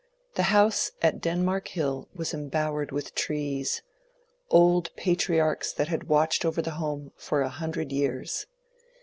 The house at Denmark Hill was embowered with trees — old patriarchs that had watched over the home for a hundred years.